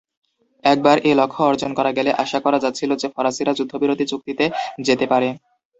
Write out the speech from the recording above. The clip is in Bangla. একবার এ লক্ষ্য অর্জন করা গেলে, আশা করা যাচ্ছিল যে ফরাসিরা যুদ্ধবিরতি চুক্তিতে যেতে পারে।